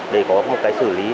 để có một cái xử lý